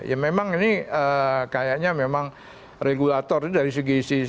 ya memang ini kayaknya memang regulator itu dari segi sisi